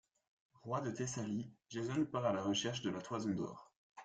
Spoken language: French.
Roi de Thessalie, Jason part à la recherche de la toison d'or.